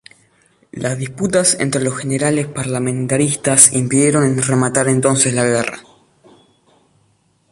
Las disputas entre los generales parlamentaristas impidieron rematar entonces la guerra.